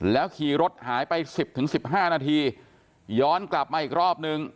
ขี่รถหายไป๑๐๑๕นาทีย้อนกลับมาอีกรอบนึง